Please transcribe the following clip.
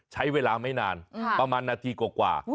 ใช้เวลาไม่นานประมาณนาทีกว่า